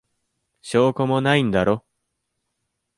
証拠もないんだろ。